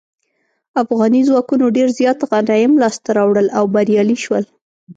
افغاني ځواکونو ډیر زیات غنایم لاسته راوړل او بریالي شول.